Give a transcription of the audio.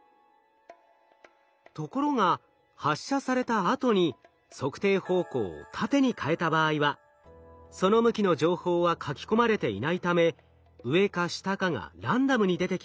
ところが発射されたあとに測定方向を縦に変えた場合はその向きの情報は書き込まれていないため上か下かがランダムに出てきます。